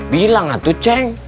bilang aja tuh ceng